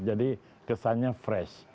jadi kesannya fresh